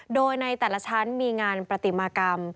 โดยในแต่ละชั้นมีงานปฏิมากรรม